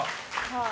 はい。